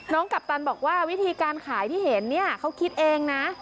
น้องกัปตันบอกว่าวิธีการขายที่เห็นเขาคิดเองนะ